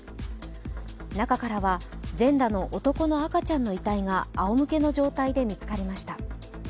中からは全裸の男の赤ちゃんの遺体があおむけの状態で見つかりました。